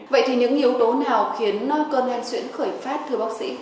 vậy thì những yếu tố nào khiến cân hen xuyễn khởi phát thưa bác sĩ